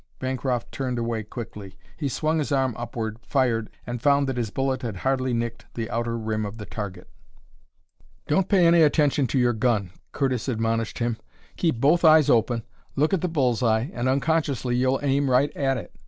Bancroft turned away quickly. He swung his arm upward, fired, and found that his bullet had hardly nicked the outer rim of the target. "Don't pay any attention to your gun," Curtis admonished him. "Keep both eyes open, look at the bull's eye, and unconsciously you'll aim right at it.